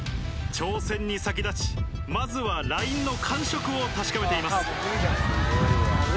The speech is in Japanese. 挑戦に先立ちまずはラインの感触を確かめています。